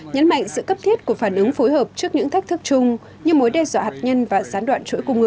nhấn mạnh sự cấp thiết của phản ứng phối hợp trước những thách thức chung như mối đe dọa hạt nhân và gián đoạn trụi quân